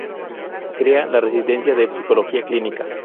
Crea la residencia de Psicología Clínica.